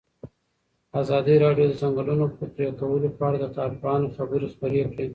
ازادي راډیو د د ځنګلونو پرېکول په اړه د کارپوهانو خبرې خپرې کړي.